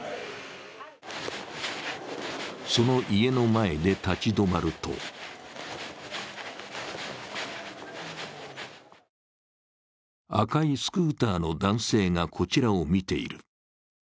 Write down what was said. その家の前で立ち止まると赤いスクーターの男性がこちらを見ている。